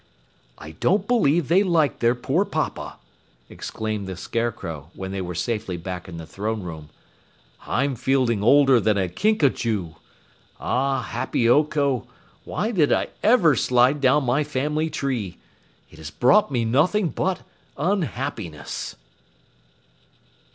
"I don't believe they like their poor papa," exclaimed the Scarecrow when they were safely back in the throne room. "I'm feeling older than a Kinkajou. Ah, Happy Oko, why did I ever slide down my family tree? It has brought me nothing but unhappiness."